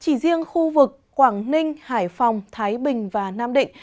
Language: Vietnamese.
chỉ riêng khu vực quảng ninh hải phòng thái bình và nam định